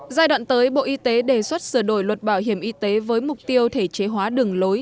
giai đoạn tới bộ y tế đề xuất sửa đổi luật bảo hiểm y tế với mục tiêu thể chế hóa đường lối